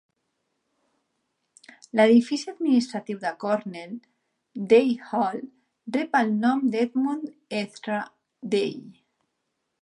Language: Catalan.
L'edifici administratiu de Cornell, Day Hall, rep el nom d'Edmund Ezra Day.